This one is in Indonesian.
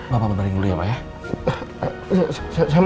bapak menteri dulu ya pak ya